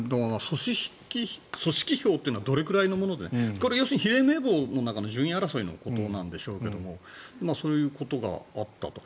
組織票というのはどれくらいのものでこれ、要するに比例名簿の順位争いのことなんでしょうけどそういうことがあったと。